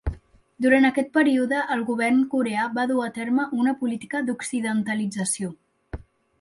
Durant aquest període, el govern coreà va dur a terme una política d'occidentalització.